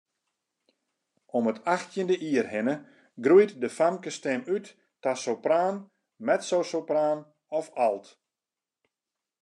Om it achttjinde jier hinne groeit de famkesstim út ta sopraan, mezzosopraan of alt.